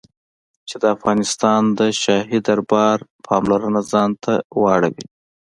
چې د افغانستان د شاهي دربار پاملرنه ځان ته را واړوي.